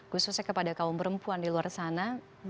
khususnya kepada kaum perempuan di luar sana